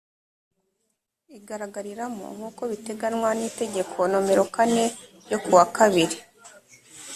igaragariramo nk uko biteganywa n itegeko nomero kane ryo ku wa kabiri